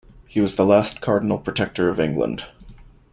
He was the last cardinal protector of England.